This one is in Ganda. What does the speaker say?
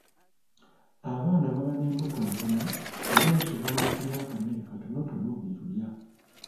Abaana baba n'embuto ntono era basobola okulya akamere katonotono buli lulya.